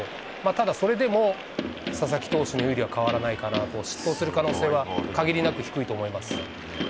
ただ、それでも、佐々木投手の有利は変わらないかなと、失投する可能性はかなり低いと思います。